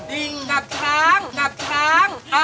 ลิงกว่าช้าง